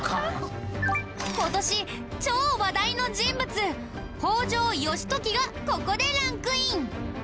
今年超話題の人物北条義時がここでランクイン。